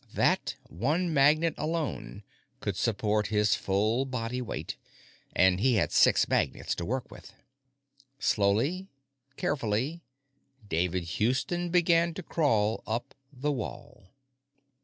That one magnet alone could support his full body weight, and he had six magnets to work with. Slowly, carefully, David Houston began to crawl up the wall.